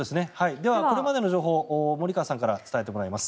では、これまでの情報を森川さんから伝えてもらいます。